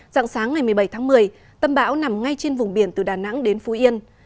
dạng sáng ngày một mươi bảy tháng một mươi tâm bão nằm ngay trên vùng biển từ đà nẵng đến phú yên